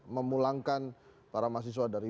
memulangkan para mahasiswa dari